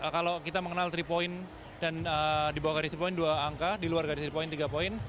kalau kita mengenal tiga point dan di bawah garis poin dua angka di luar garis poin tiga poin